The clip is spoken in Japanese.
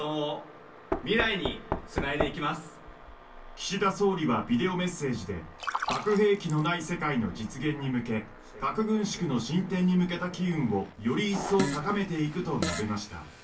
岸田総理はビデオメッセージで核兵器のない世界の実現に向け核軍縮の進展に向けた機運をより一層高めていくと述べました。